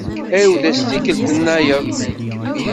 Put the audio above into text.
Ɛiwed-as tikkelt-nnayeḍ.